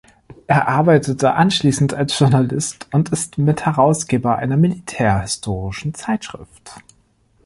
Er arbeitete anschließend als Journalist und ist Mitherausgeber einer militärhistorischen Zeitschrift.